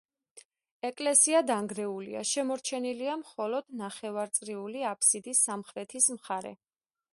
ეკლესია დანგრეულია, შემორჩენილია მხოლოდ ნახევარწრიული აფსიდის სამხრეთის მხარე.